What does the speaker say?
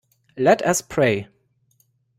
Let us pray.